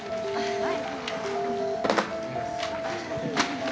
はい。